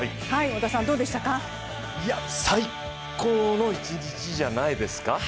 最高の一日じゃないですか。